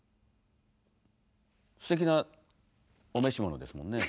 すてきなお召し物ですもんね。